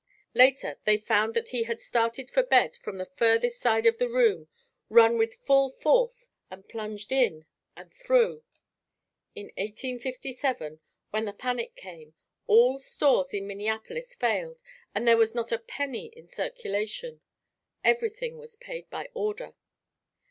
Later, they found that he had started for bed from the furthest side of the room, run with full force and plunged in and through. In 1857, when the panic came, all stores in Minneapolis failed and there was not a penny in circulation. Everything was paid by order.